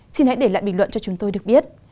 xin hãy để lại bình luận cho chúng tôi được biết